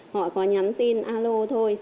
họ có nhắn tin alo thôi